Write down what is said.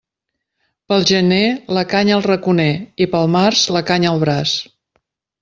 Pel gener la canya al raconer i pel març la canya al braç.